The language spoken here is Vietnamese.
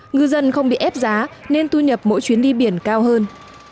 ngư dân không bị ép giá nên thu nhập mỗi chuyến đi biển cao hơn